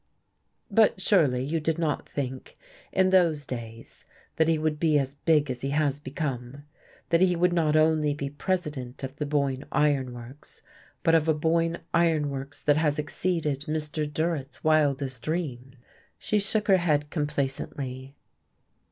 "But surely you did not think, in those days, that he would be as big as he has become? That he would not only be president of the Boyne Iron Works, but of a Boyne Iron Works that has exceeded Mr. Durrett's wildest dreams." She shook her head complacently.